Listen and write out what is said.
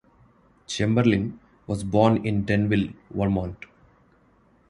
Chamberlin was born in Danville, Vermont.